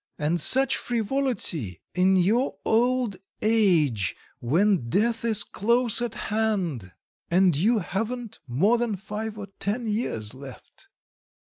... And such frivolity in your old age, when death is close at hand, and you haven't more than five or ten years left!"